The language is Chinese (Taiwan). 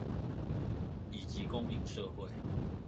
以及公民社會